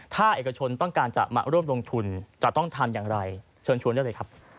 ถ้าเอกชนต้องการจะมาร่วมลงทุนจะต้องทำอย่างไรเชิญชวนได้เลยครับ